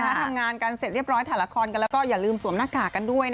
ทำงานกันเสร็จเรียบร้อยถ่ายละครกันแล้วก็อย่าลืมสวมหน้ากากกันด้วย